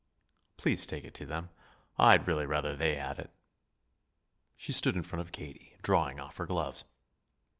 "Please take it to them. I'd really rather they had it." She stood in front of Katie, drawing off her gloves.